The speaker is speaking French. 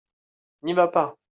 N'y vas pas !